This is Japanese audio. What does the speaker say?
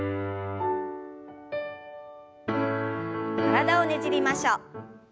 体をねじりましょう。